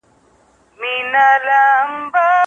مرګ د انسان د غرور ماتولو وسله ده.